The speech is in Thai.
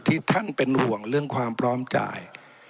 ที่ท่านเป็นห่วงเรื่องความพร้อมจ่าย